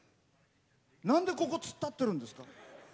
なんで、ここ突っ立ってるんですか？